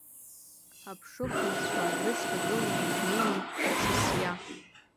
Аԥшыхәҩцәа дрышьҭагыланы днеиуеит Шьасиа.